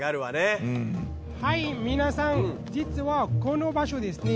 はい皆さん実はこの場所ですね